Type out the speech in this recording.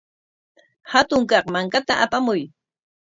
Hatun kaq mankata apamuy.